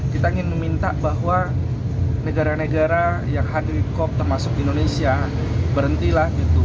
kita ingin meminta bahwa negara negara yang hadir di cop termasuk indonesia berhentilah gitu